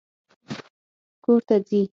کور ته ځي